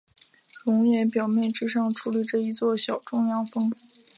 熔岩表面之上矗立着一座小中央峰。